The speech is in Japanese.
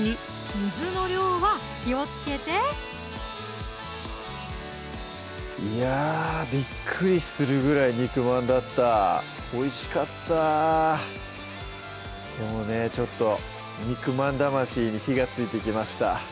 水の量は気をつけていやぁびっくりするぐらい肉まんだったおいしかったでもねちょっと肉まん魂に火がついてきました